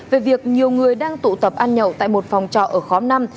về việc nhiều người đang tụ tập ăn nhậu tại một phòng trọ ở khóm năm